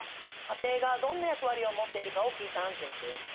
家庭がどんな役割を持っているかを聞いたアンケートです。